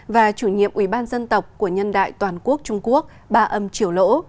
và chủ nhiệm ủy ban dân tộc của nhân đại toàn quốc trung quốc ba âm triều lỗ